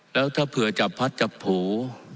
แล้วถ้าเผื่อจับพัดจับผู